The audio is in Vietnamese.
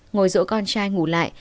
ngồi dỗ con trai ngủ lại